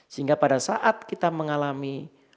sehingga pada saat kita mengalami